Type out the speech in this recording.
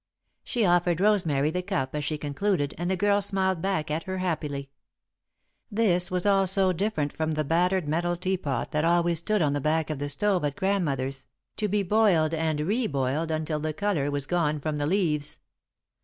She offered Rosemary the cup as she concluded and the girl smiled back at her happily. This was all so different from the battered metal tea pot that always stood on the back of the stove at Grandmother's, to be boiled and re boiled until the colour was gone from the leaves.